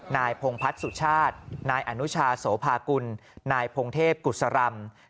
ไหนพงพัดสุชาติอันุชาเซาครณาไพงกุฎสรรม